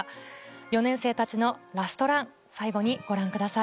４年生たちのラストランを最後にご覧ください。